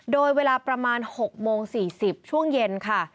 โดยเวลาประมาณ๖โมง๔๐ช่วงเย็นค่ะ